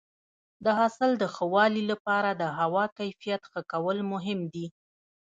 د حاصل د ښه والي لپاره د هوا کیفیت ښه کول مهم دي.